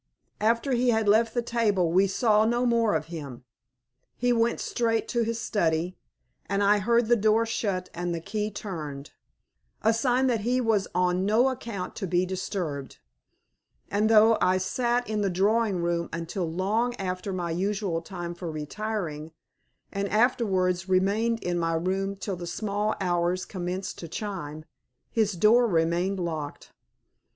After he had left the table we saw no more of him. He went straight to his study, and I heard the door shut and the key turned a sign that he was on no account to be disturbed; and though I sat in the drawing room until long after my usual time for retiring, and afterwards remained in my room till the small hours commenced to chime, his door remained locked.